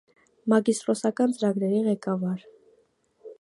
Մագիստրոսական ծրագրերի ղեկավար։